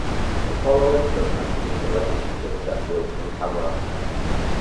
The following were the members of the Legislative Assembly from Kamouraska.